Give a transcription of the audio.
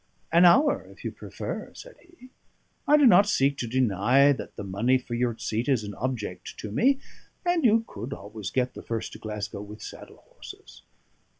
"An hour, if you prefer," said he. "I do not seek to deny that the money for your seat is an object to me; and you could always get the first to Glascow with saddle horses."